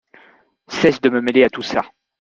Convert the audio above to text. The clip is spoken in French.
cesse de me mêler à tout ça.